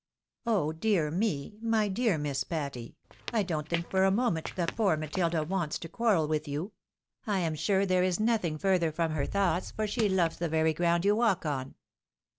" Oh dear me ! my dear Miss Patty ! don't think for a mo ment that poor Matilda wants to quarrel with you. I am sure there is nothing further from her thoughts, for she loves the very ground you walk on.